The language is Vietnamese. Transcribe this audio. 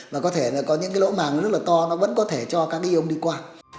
và có thể là có những cái lỗ màng rất là to nó vẫn có thể cho các cái ông đi qua